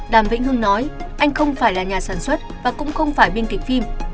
đàm vĩnh hưng nói anh không phải là nhà sản xuất và cũng không phải biên kịch phim